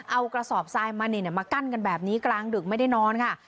เอากระสอบทรายมานี่มากั้นกันแบบนี้กลางดึกไม่ได้นอนค่ะ